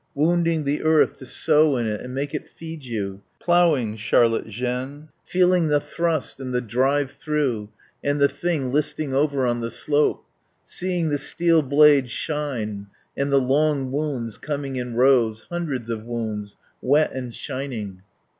Wounding the earth to sow in it and make it feed you. Ploughing, Charlotte Jeanne. Feeling the thrust and the drive through, and the thing listing over on the slope. Seeing the steel blade shine, and the long wounds coming in rows, hundreds of wounds, wet and shining."